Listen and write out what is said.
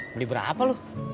beli berapa lu